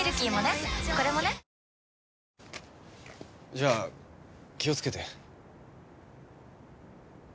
じゃあ気をつけて。